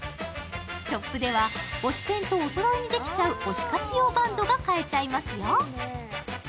ショップでは推しペンとおそろいにできちゃう推し活用バンドが買えちゃいますよ。